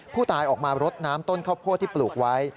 ผู้ตายออกมารดน้ำต้นข้าวโพดที่ปลูกไว้